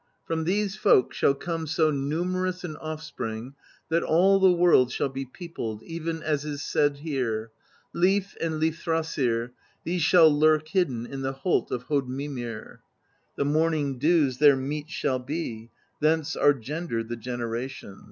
From these folk shall come so numerous an offspring that all the world shall be peopled, even as is said here: Lif and Lifthrasir, these shall lurk hidden In the Holt of Hoddmimir; The morning dews their meat shall be; Thence are gendered the generations.